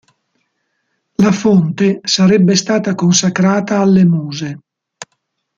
La fonte sarebbe stata consacrata alle Muse.